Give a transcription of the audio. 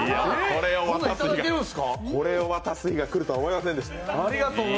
これを渡す日が来るとは思いませんでした。